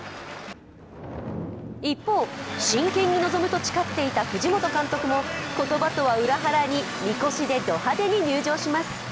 一方、真剣に臨むと誓っていた藤本監督も、言葉とは裏腹に、みこしでド派手に入場します。